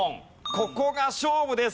ここが勝負です。